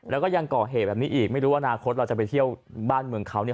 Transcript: แล้วก็ยังก่อเหตุแบบนี้อีกไม่รู้ว่าอนาคตเราจะไปเที่ยวบ้านเมืองเขาเนี่ย